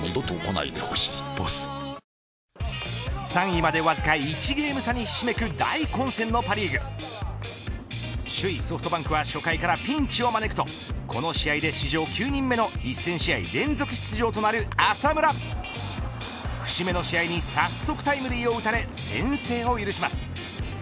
３位までわずか１ゲーム差にひしめく大混戦のパ・リーグ首位ソフトバンクは初回からピンチを招くとこの試合で９人目の１０００試合連続出場となる浅村節目の試合に早速タイムリーを打たれ先制を許します。